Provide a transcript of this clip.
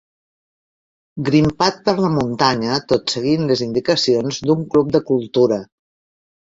Grimpat per la muntanya tot seguint les indicacions d'un club de cultura.